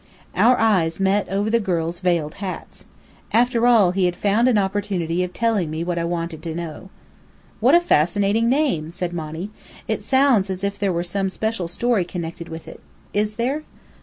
'" Our eyes met over the girls' veiled hats. After all, he had found an opportunity of telling me what I wanted to know. "What a fascinating name!" said Monny. "It sounds as if there were some special story connected with it. Is there?"